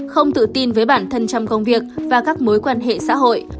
không tự tin với bản thân trong công việc và các mối quan hệ xã hội